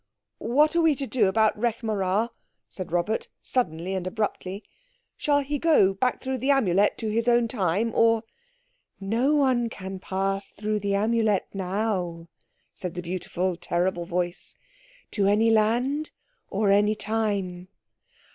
"What are we to do about Rekh marā?" said Robert suddenly and abruptly. "Shall he go back through the Amulet to his own time, or—" "No one can pass through the Amulet now," said the beautiful, terrible voice, "to any land or any time.